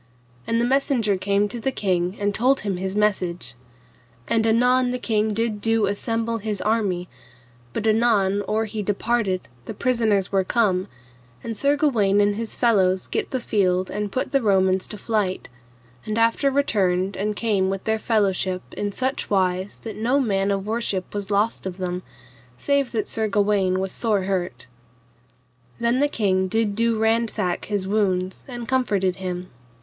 And the messenger came to the king and told him his message. And anon the king did do assemble his army, but anon, or he departed the prisoners were come, and Sir Gawaine and his fellows gat the field and put the Romans to flight, and after returned and came with their fellowship in such wise that no man of worship was lost of them, save that Sir Gawaine was sore hurt. Then the king did do ransack his wounds and comforted him.